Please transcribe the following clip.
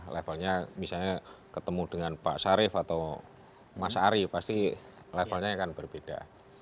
levelnya misalnya ketemu dengan pak sarif atau mas ari pasti levelnya akan berbeda